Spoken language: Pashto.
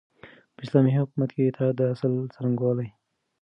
په اسلامي حکومت کي د اطاعت د اصل څرنګوالی